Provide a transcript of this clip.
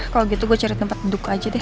kalau gitu gue cari tempat duduk aja deh